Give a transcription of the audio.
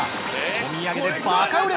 お土産でバカ売れ！